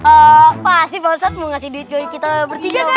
oh pasti pak ustadz mau ngasih duit kita bertiga nih